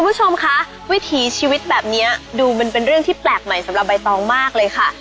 คุณผู้ชมคะวิถีชีวิตแบบนี้ดูมันเป็นเรื่องที่แปลกใหม่สำหรับใบตองมากเลยค่ะ